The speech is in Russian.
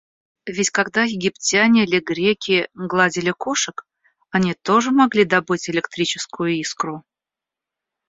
Ведь когда египтяне или греки гладили кошек, они тоже могли добыть электрическую искру.